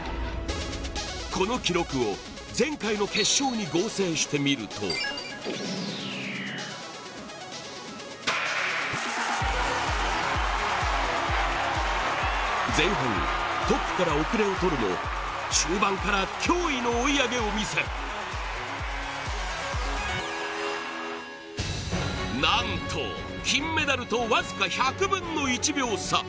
この記録を前回の決勝に合成してみると前半、トップから後れを取るも中盤から驚異の追い上げを見せなんと、金メダルと僅か１００分の１秒差。